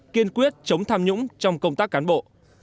kiên quyết chống tham nhũng trong công tác cán bộ